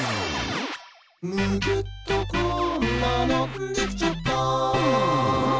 「むぎゅっとこんなのできちゃった！」